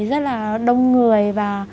rất là đông người và